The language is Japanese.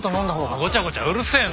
ごちゃごちゃうるせえな。